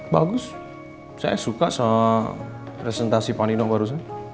bagus saya suka sama presentasi panino barusan